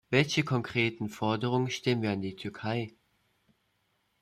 Welche konkreten Forderungen stellen wir an die Türkei?